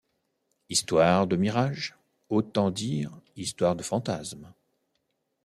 Histoires de mirages - autant dire histoires de fantasmes.